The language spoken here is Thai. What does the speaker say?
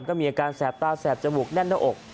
ก็มีอาการแสบตาแสบจมูกแน่นหน้าอก